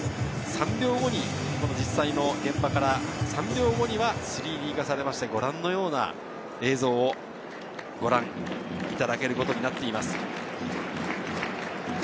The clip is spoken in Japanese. ３秒後に実際の現場から３Ｄ化されて、ご覧のような映像をご覧いただけることになっています。